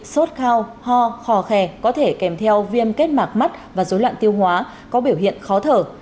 sốt khao ho khò khè có thể kèm theo viêm kết mạc mắt và dối loạn tiêu hóa có biểu hiện khó thở